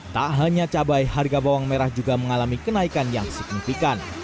tak hanya cabai harga bawang merah juga mengalami kenaikan yang signifikan